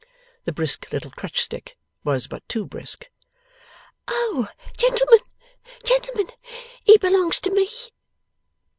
The brisk little crutch stick was but too brisk. 'O gentlemen, gentlemen, he belongs to me!